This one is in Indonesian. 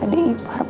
jadi aku passages